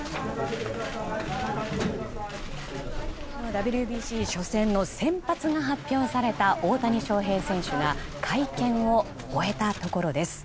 ＷＢＣ初戦の先発が発表された大谷翔平選手が会見を終えたところです。